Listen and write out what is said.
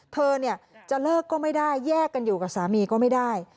เธอเนี่ยจะเลิกก็ไม่ได้แยกกันอยู่กับสามีก็ไม่ได้